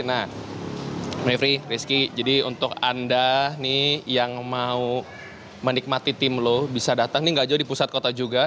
nah mevri rizky jadi untuk anda nih yang mau menikmati tim lo bisa datang nih gak jauh di pusat kota juga